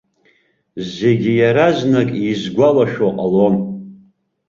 Зегьы иаразнак изгәалашәо ҟалон.